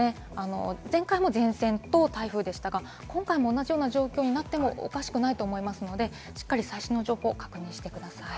前回も前線と台風でしたが、今回も同じような状況になってもおかしくないと思いますので、しっかり最新の情報を確認してください。